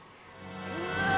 「うわ」